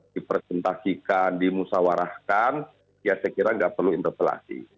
dipercentasikan dimusawarahkan ya saya kira tidak perlu interpelasi